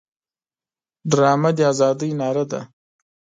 ډرامه د ازادۍ ناره ده